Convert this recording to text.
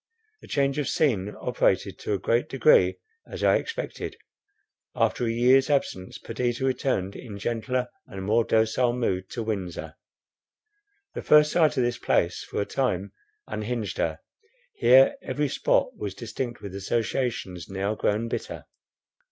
The change of scene operated to a great degree as I expected; after a year's absence, Perdita returned in gentler and more docile mood to Windsor. The first sight of this place for a time unhinged her. Here every spot was distinct with associations now grown bitter.